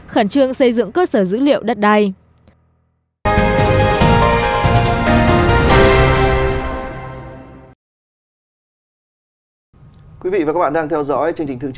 khẩn trương xây dựng cơ sở dữ liệu đất đai